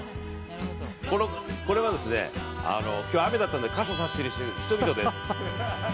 これは今日雨だったので傘さしてる人々です。